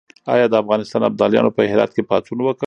آیا د افغانستان ابدالیانو په هرات کې پاڅون وکړ؟